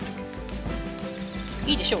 いいでしょ。